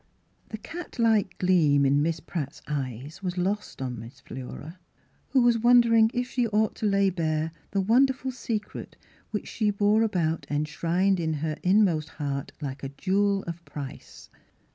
The cat like gleam in Miss Pratt's eyes was lost upon Miss Philura, who was won dering if she ought to lay bare the wonder ful secret which she bore about enshrined in her inmost heart like a jewel of price.